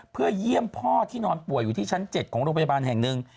เพื่อเยี่ยมพ่อที่นอนป่วยอยู่ที่ชั้น๗ของโรงพยาบาลแห่งหนึ่ง